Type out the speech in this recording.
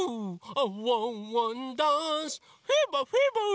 ワンワンダンスフィーバーフィーバー！